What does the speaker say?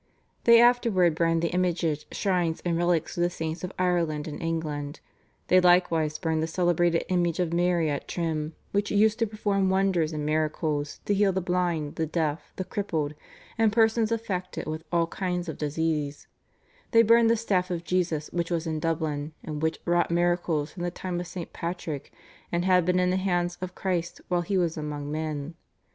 They afterward burned the images, shrines, and relics of the saints of Ireland and England; they likewise burned the celebrated image of Mary at Trim, which used to perform wonders and miracles, to heal the blind, the deaf, the crippled, and persons affected with all kinds of disease; they burned the Staff of Jesus, which was in Dublin, and which wrought miracles from the time of St. Patrick, and had been in the hands of Christ while He was among men.